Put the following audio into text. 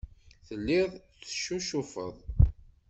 Telliḍ teccucufeḍ.